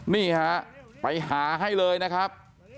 นี่ฮะไปหาให้เลยนะครับ